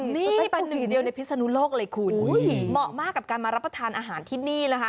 นี่เป็นหนึ่งเดียวในพิศนุโลกเลยคุณเหมาะมากกับการมารับประทานอาหารที่นี่นะคะ